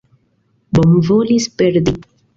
Bonvolis perdi.